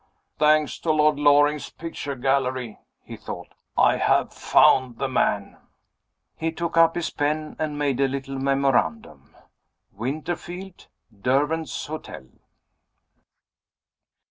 "Thanks to Lord Loring's picture gallery," he thought, "I have found the man!" He took up his pen and made a little memorandum "Winterfield. Derwent's Hotel."